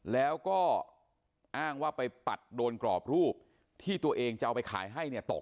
แล้วก็อ้างว่าไปปัดโดนกรอบรูปที่ตัวเองจะเอาไปขายให้เนี่ยตก